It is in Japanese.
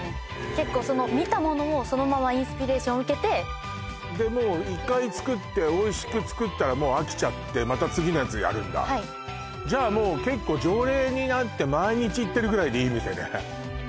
結構その見たものをそのままインスピレーション受けて一回作っておいしく作ったらもう飽きちゃってまた次のやつやるんだはいじゃあもう結構常連になって毎日行ってるぐらいでいい店ね